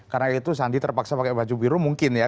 karena itu sandi terpaksa pakai baju biru mungkin ya